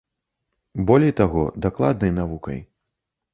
Болей таго, дакладнай навукай.